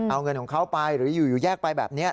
เอาเงินของเขาไปหรืออยู่แยกไปแบบนี้